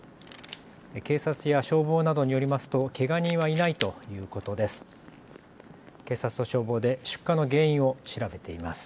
警察や消防などによりますとけが人はいないということです。